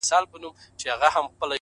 دا څو شپې کيږي له يوسفه سره لوبې کوم!